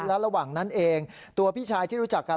และระหว่างนั้นเองตัวพี่ชายที่รู้จักกัน